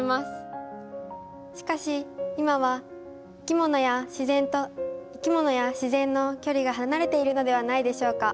しかし今は生き物や自然の距離が離れているのではないでしょうか。